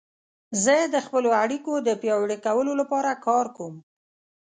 زه د خپلو اړیکو د پیاوړي کولو لپاره کار کوم.